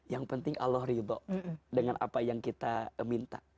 yang penting allah ridho dengan apa yang kita minta